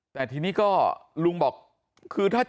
แต่ทีนี้ก็ลุงบอก